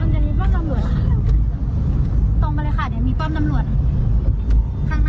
ข้างน้ำมีป้อมตำรวจครับ